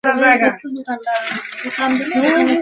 তুমি তোমার কাজ করো আর আমি আমার কাজ করি।